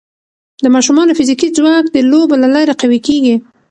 د ماشومانو فزیکي ځواک د لوبو له لارې قوي کېږي.